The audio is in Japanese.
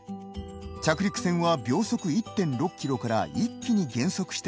着陸船は秒速１．６キロから一気に減速して着陸します。